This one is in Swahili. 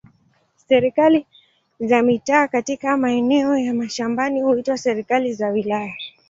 Serikali za mitaa katika maeneo ya mashambani huitwa serikali za wilaya.